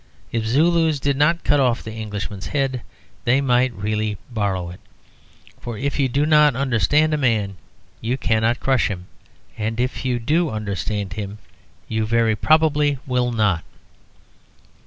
If Zulus did not cut off the Englishman's head they might really borrow it. For if you do not understand a man you cannot crush him. And if you do understand him, very probably you will not.